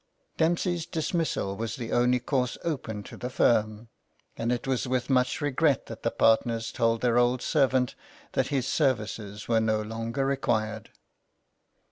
Dempsey's dismissal was the only course open to the firm ; and it was with much regret that the partners told their old servant that his services were no longer required.